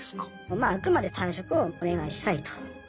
まああくまで退職をお願いしたいというスタンス。